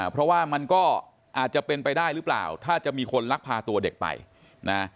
เพราะว่ามันก็อาจจะเป็นไปได้หรือเปล่าถ้าจะมีคนลักพาตัวเด็กไปนะ